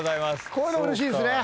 こういうのうれしいっすね。